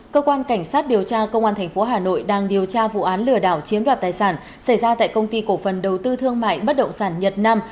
cơ quan cảnh sát điều tra công an tp hà nội đang điều tra vụ án lừa đảo chiếm đoạt tài sản xảy ra tại công ty cổ phần đầu tư thương mại bất động sản nhật nam